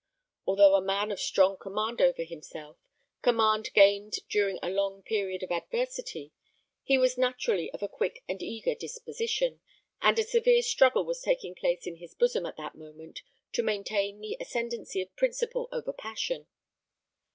Although a man of strong command over himself command gained during a long period of adversity he was naturally of a quick and eager disposition, and a severe struggle was taking place in his bosom at that moment to maintain the ascendancy of principle over passion.